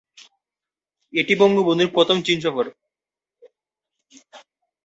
এটি বঙ্গবন্ধুর প্রথম চীন সফর।